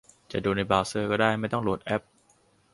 จะดูในเบราว์เซอร์ก็ได้ ไม่ต้องโหลดแอป